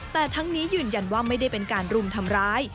แต่ทั้งนี้ยืนยันว่าไม่ได้เป็นการรุมทำร้าย